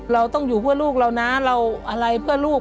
เราต้องอยู่เพื่อลูกเรานะเราอะไรเพื่อลูก